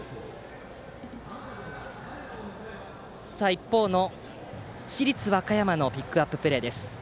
一方の市立和歌山のピックアッププレーです。